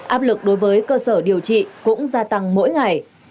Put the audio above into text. áp lực đối với cơ sở điều trị cũng gia tăng mỗi ngày